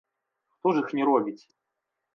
Хто ж іх не робіць?